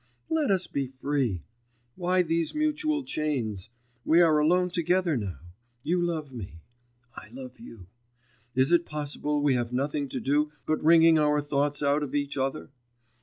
Let us be free! Why these mutual chains? We are alone together now, you love me. I love you; is it possible we have nothing to do but wringing our thoughts out of each other?